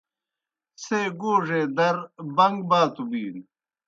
څھے گوڙے در بَن٘گ باتوْ بِینوْ۔